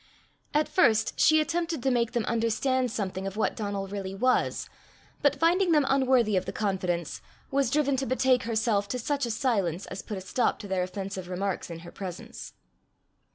At first she attempted to make them understand something of what Donal really was, but finding them unworthy of the confidence, was driven to betake herself to such a silence as put a stop to their offensive remarks in her presence.